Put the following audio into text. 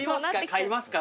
買いますか？」